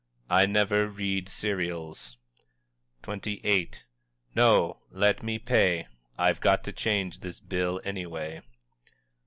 "I never read serials." XXVIII. "No, let me pay! I've got to change this bill anyway."